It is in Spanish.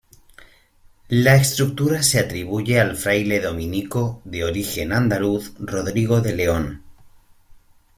La estructura se atribuye al fraile dominico de origen andaluz Rodrigo de León.